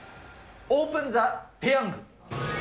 オープン・ザ・ペヤング。